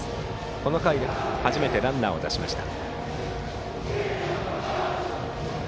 この回、初めてランナーを出しました。